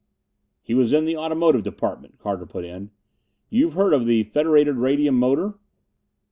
"He was in the Automotive Department," Carter put in. "You've heard of the Federated Radium Motor?"